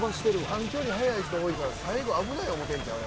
短距離速い人多いから危ない思うてるんちゃうか。